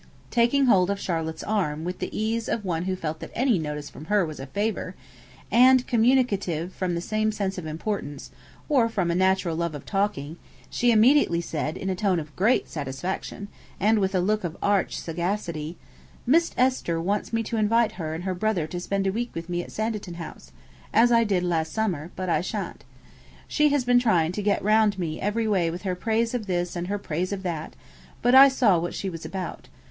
Taking hold of Charlotte's arm with the ease of one who felt that any notice from her was a favour, and communicative from the same sense of importance, or from a natural love of talking, she immediately said in a tone of great satisfaction, and with a look of arch sagacity: 'Miss Esther wants me to invite her and her brother to spend a week with me at Sanditon House, as I did last summer, but I shan't. She has been trying to get round me every way with her praise of this and her praise of that; but I saw what she was about.